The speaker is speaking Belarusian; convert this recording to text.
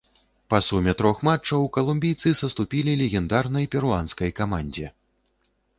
Па суме трох матчаў калумбійцы саступілі легендарнай перуанскай камандзе.